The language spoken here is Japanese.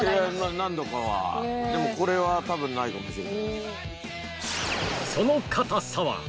でもこれは多分ないかもしれない。